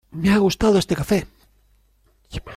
¡Me ha gustado este café!